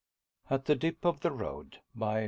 AT THE DIP OF THE ROAD.